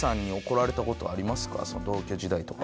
その同居時代とか。